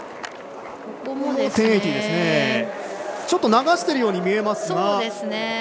ちょっと流してるように見えましたが。